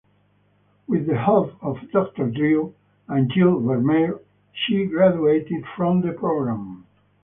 With the help of Doctor Drew and Jill Vermeire, she graduated from the program.